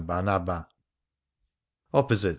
Barnaba. Opposite S.